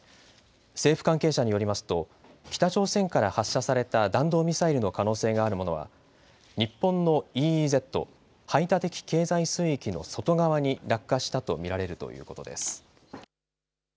政府関係者によりますと北朝鮮から発射された弾道ミサイルの可能性があるものは、日本のＥＥＺ・排他的経済水域の外側に落下したと見られるということです。